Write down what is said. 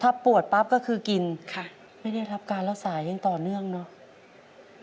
ถ้าปวดปั๊บก็คือกินค่ะไม่ได้รับการรักษายังต่อเนื่องเนอะ